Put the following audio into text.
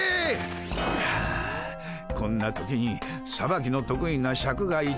はあこんな時にさばきの得意なシャクがいてくれたらの。